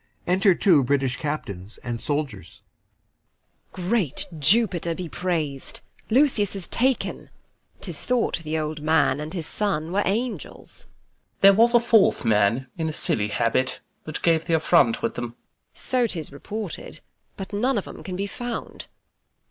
Enter two BRITISH CAPTAINS and soldiers FIRST CAPTAIN. Great Jupiter be prais'd! Lucius is taken. 'Tis thought the old man and his sons were angels. SECOND CAPTAIN. There was a fourth man, in a silly habit, That gave th' affront with them. FIRST CAPTAIN. So 'tis reported; But none of 'em can be found.